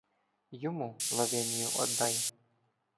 Йому Лавинію оддай.